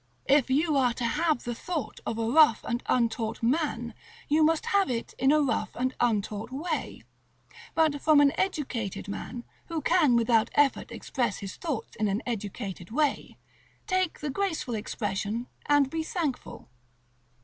If you are to have the thought of a rough and untaught man, you must have it in a rough and untaught way; but from an educated man, who can without effort express his thoughts in an educated way, take the graceful expression, and be thankful.